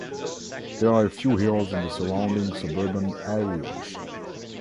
There are a few hills in the surrounding suburban areas.